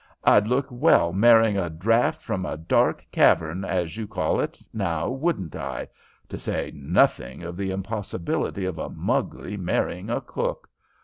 "I'd look well marrying a draught from a dark cavern, as you call it, now wouldn't I? To say nothing of the impossibility of a Mugley marrying a cook.